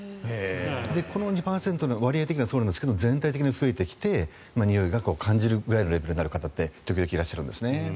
この２％割合的にはそうなんですが全体的に増えてきてにおいが感じるレベルの方って時々いらっしゃるんですね。